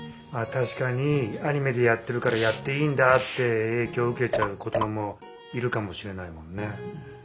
まあたしかにアニメでやってるからやっていいんだってえいきょう受けちゃう子どももいるかもしれないもんね。